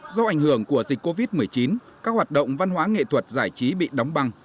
do ảnh hưởng của dịch covid một mươi chín các hoạt động văn hóa nghệ thuật giải trí bị đóng băng